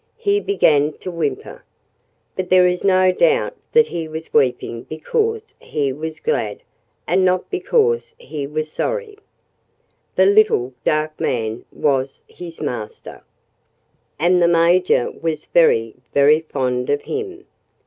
He began to whimper. But there is no doubt that he was weeping because he was glad, and not because he was sorry. The little, dark man was his master. And the Major was very, very fond of him.